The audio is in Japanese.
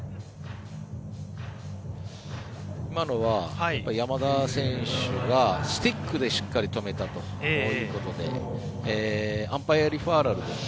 今のは山田選手がスティックでしっかり止めたということでアンパイアリファーラル。